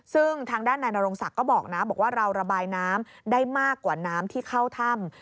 ซึ่งทางด้านนายนรงศักดิ์ก็บอกนะบอกว่าเราระบายน้ำได้มากกว่าน้ำที่เข้าถ้ำ